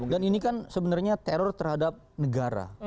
dan ini kan sebenarnya teror terhadap negara